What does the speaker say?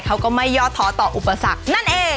เขาก็ไม่ย่อท้อต่ออุปสรรคนั่นเอง